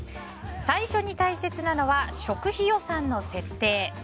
最初に大切なのは食費予算の設定。